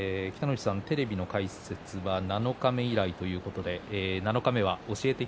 テレビの解説は七日目以来ということで七日目は「教えて！